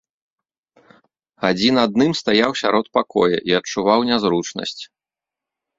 Адзін адным стаяў сярод пакоя і адчуваў нязручнасць.